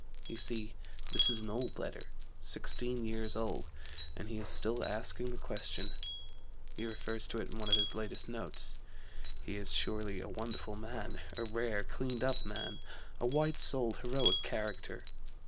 You see, this is an old letter sixteen years old and he is still asking the question: he refers to it in one of his latest notes. He is surely a wonderful man a rare, cleaned up man a white souled, heroic character....